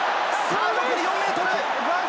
残り４ｍ。